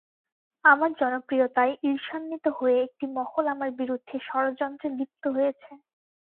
আমার জনপ্রিয়তায় ঈর্ষান্বিত হয়ে একটি মহল আমার বিরুদ্ধে ষড়যন্ত্রে লিপ্ত হয়েছে।